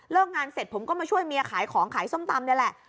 งานเสร็จผมก็มาช่วยเมียขายของขายส้มตำนี่แหละ